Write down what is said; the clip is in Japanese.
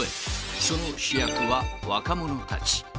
その主役は若者たち。